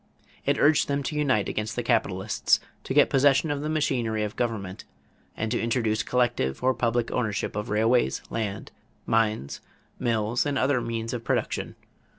It urged them to unite against the capitalists, to get possession of the machinery of government, and to introduce collective or public ownership of railways, land, mines, mills, and other means of production.